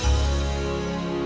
ya allah gosong